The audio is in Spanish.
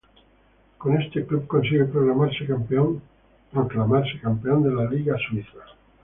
Con este club consigue proclamarse campeón de la Liga suiza.